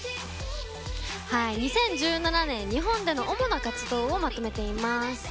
２０１７年、日本での主な活動をまとめています。